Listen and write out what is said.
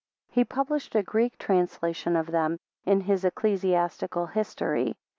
He published a Greek translation of them, in his Ecclesiastical History.